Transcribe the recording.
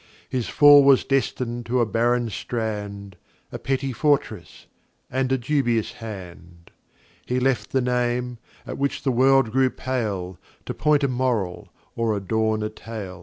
His Fall was destin'd to a barren Strand, A petty Fortress, and a dubious Hand; He left the Name, at which the World grew pale, To point a Moral, or adorn a Tale.